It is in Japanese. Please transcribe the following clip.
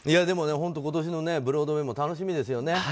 でも、本当に今年のブロードウェーも楽しみですね。